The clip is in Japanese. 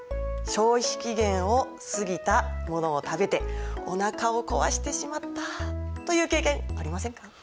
消費期限を過ぎたものを食べておなかを壊してしまったという経験ありませんか？